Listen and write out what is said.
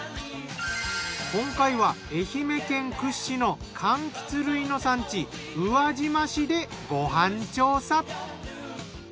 今回は愛媛県屈指のかんきつ類の産地宇和島市でご飯調査。